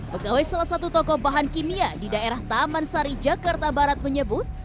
pegawai salah satu toko bahan kimia di daerah taman sari jakarta barat menyebut